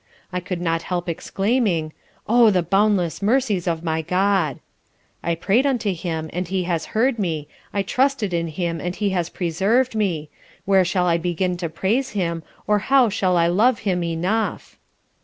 I could not help exclaiming. O the boundless mercies of my God! I pray'd unto Him, and He has heard me; I trusted in Him and He has preserv'd me: where shall I begin to praise Him, or how shall I love Him enough?